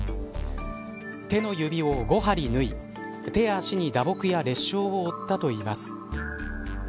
手の指を５針縫い手や足に打撲や裂傷を負ったといいます。